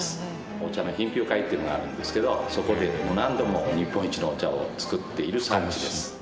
お茶の品評会っていうのがあるんですけどそこで何度も日本一のお茶を作っている産地です。